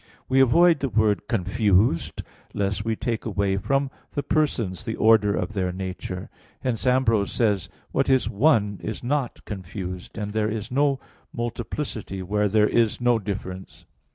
We avoid the word "confused," lest we take away from the Persons the order of their nature. Hence Ambrose says (De Fide i): "What is one is not confused; and there is no multiplicity where there is no difference."